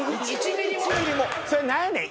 それ何やねん？